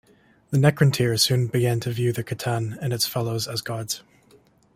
The Necrontyr soon began to view their C'tan and its fellows as gods.